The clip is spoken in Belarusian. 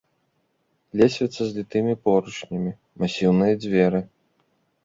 Лесвіца з літымі поручнямі, масіўныя дзверы.